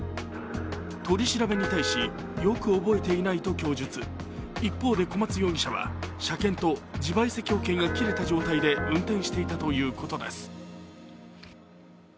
取り調べに対しよく覚えていないと供述、一方で小松容疑者は車検と自賠責保険が切れた状態で運転していたということです。